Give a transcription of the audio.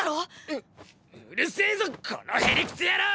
うっうるせぇぞこのへ理屈野郎！